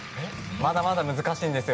まだまだ難しいんです